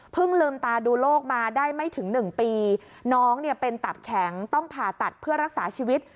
เพิ่งลืมตาดูโรคมาได้ไม่ถึง๑ปีน้องเป็นตัดแข็งต้องผ่าตัดเพื่อรักษาชีวิต